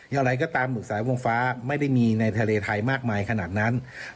อย่างไรก็ตามหึกสายวงฟ้าไม่ได้มีในทะเลไทยมากมายขนาดนั้น